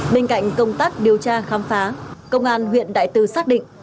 bên cạnh công tác điều tra khám phá công an huyện đại từ xác định